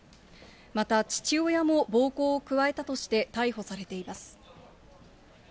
また、父親も暴行を加えたとして逮捕されています。